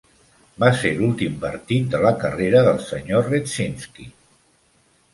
Va ser l'últim partit de la carrera del Sr. Redzinski.